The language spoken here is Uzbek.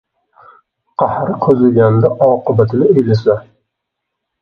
qahri qo‘ziganda oqibatini o‘ylasa